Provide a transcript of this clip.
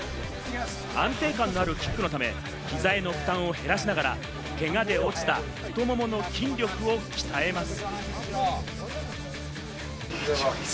安定感のあるキックのため、膝への負担を減らしながら、けがで落ちた太ももの筋力を鍛えます。